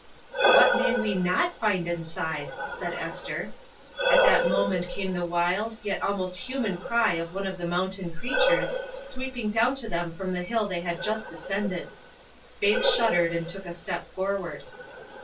"What may we not find inside !" said Esther. At that moment came the wild, yet almost human cry of one of the moimtain creatures, sweeping down to them from the hill they had just descended. Faith shuddered and took a step forward.